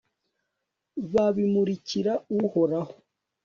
babimurikira uhoraho